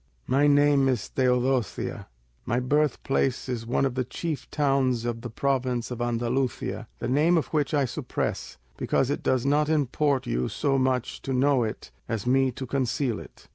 My name is Teodosia; my birth place is one of the chief towns of the province of Andalusia, the name of which I suppress, because it does not import you so much to know it as me to conceal it.